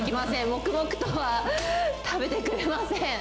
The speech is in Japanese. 黙々とは食べてくれません。